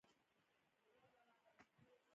دا کومه ملي او انساني روحیه وه.